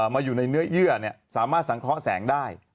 มาอยู่ในเนื้อเยื่อสามารถสังเคราะห์แสงได้